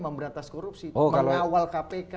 memberatas korupsi mengawal kpk